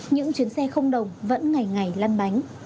những chuyến xe không đồng vẫn ngày ngày lăn bánh